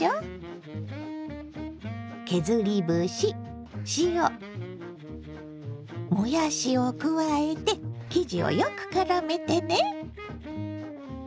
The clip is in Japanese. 削り節塩もやしを加えて生地をよくからめてね。